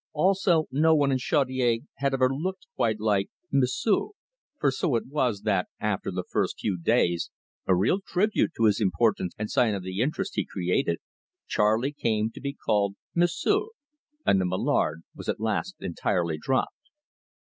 Also, no one in Chaudiere had ever looked quite like "M'sieu'" for so it was that, after the first few days (a real tribute to his importance and sign of the interest he created) Charley came to be called "M'sieu'," and the Mallard was at last entirely dropped.